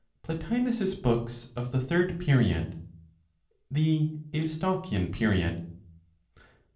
PLOTINOS'S BOOKS OF THE THIRD PERIOD (THE EUSTOCHIAN PERIOD).